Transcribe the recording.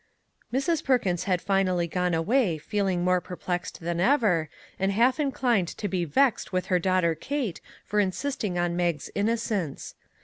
Mrs. Perkins had finally gone away feeling more perplexed than ever, and half inclined to be vexed with her daughter Kate for insisting on Mag's innocence.